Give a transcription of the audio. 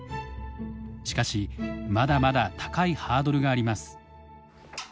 しかしまだまだ高いハードルがあります。